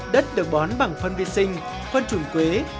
đất được bón bằng phân vi sinh phân trùng quế